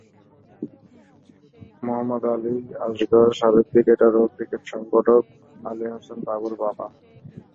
মোহাম্মদ আলী আসগর সাবেক ক্রিকেটার ও ক্রিকেট সংগঠক আলী আহসান বাবুর বাবা।